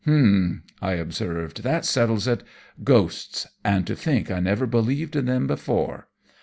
"Humph!" I observed. "That settles it! Ghosts! And to think I never believed in them before!